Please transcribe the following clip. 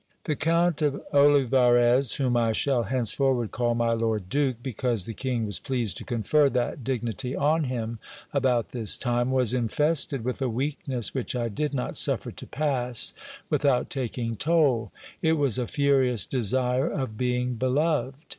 The Count of Olivarez, whom I shall hencefonvard call my lord duke, because the king was pleased to confer that dignity on him about this time, was infested with a weakness which I did not suffer to pass without taking toll : it was a furious desire of being beloved.